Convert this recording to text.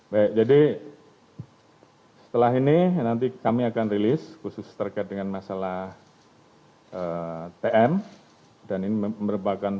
baik jadi setelah ini nanti kami akan rilis khusus terkait dengan masalah tm dan ini merupakan